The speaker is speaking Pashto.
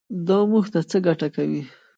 دا موږ ته څه ګټه کوي.